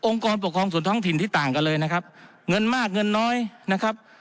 กรปกครองส่วนท้องถิ่นที่ต่างกันเลยนะครับเงินมากเงินน้อยนะครับ